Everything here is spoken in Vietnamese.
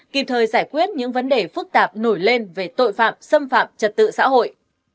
kịp thời giải quyết những vấn đề phức tạp nổi lên về tội phạm xâm phạm trật tự xã hội